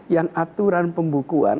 yang aturan pembukuan